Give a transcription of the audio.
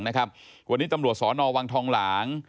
วันนี้ตรงวันที่ตรวจสนวางธองหลาง